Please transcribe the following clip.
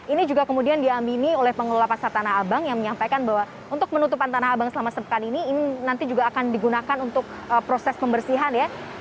ini juga kemudian diamini oleh pengelola pasar tanah abang yang menyampaikan bahwa untuk penutupan tanah abang selama sepekan ini ini nanti juga akan digunakan untuk proses pembersihan ya